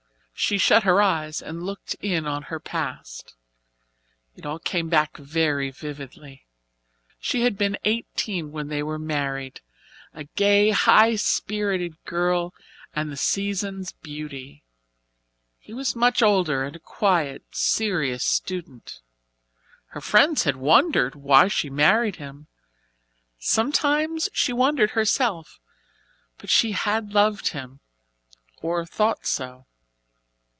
She shut her eyes and looked in on her past. It all came back very vividly. She had been eighteen when they were married a gay, high spirited girl and the season's beauty. He was much older and a quiet, serious student. Her friends had wondered why she married him sometimes she wondered herself, but she had loved him, or thought so.